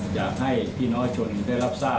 อยากให้พี่น้องชนได้รับทราบ